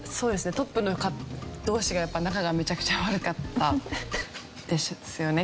トップの方同士が仲がめちゃくちゃ悪かった。ですよね？